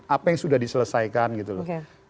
apa yang sudah diselesaikan gitu loh